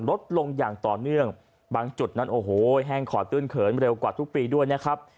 ลดลงอย่างต่อเนื่องบางจุดนั้นโอ้โหแห้งขอดื้นเขินเร็วกว่าทุกปีด้วยนะครับ